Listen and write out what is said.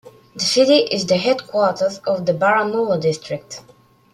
The city is the headquarters of the Baramulla district.